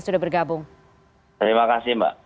sudah bergabung terima kasih mbak